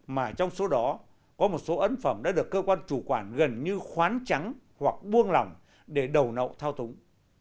mà trong số đó có một số ấn phẩm đã được cơ quan chủ quản gần như khoán trắng hoặc buông lỏng để đầu nậu thao túng